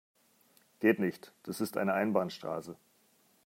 Geht nicht, das ist eine Einbahnstraße.